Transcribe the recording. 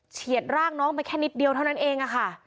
เฉียดร่างน้องไปแค่นิดเดียวเท่านั้นเองค่ะ